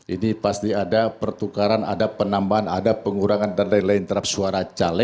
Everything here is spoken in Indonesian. ini pasti ada pertukaran ada penambahan ada pengurangan dan lain lain terhadap suara caleg